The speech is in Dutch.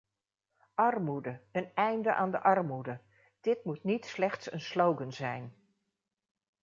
Armoede, een einde aan de armoede: dit moet niet slechts een slogan zijn.